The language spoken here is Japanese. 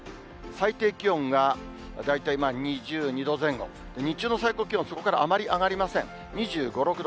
最低気温が大体２２度前後、日中の最高気温、そこからあまり上がりません。